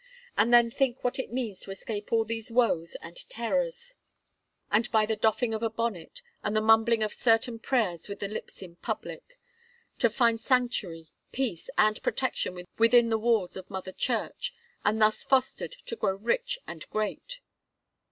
And then think what it means to escape all these woes and terrors, and, by the doffing of a bonnet, and the mumbling of certain prayers with the lips in public, to find sanctuary, peace, and protection within the walls of Mother Church, and thus fostered, to grow rich and great."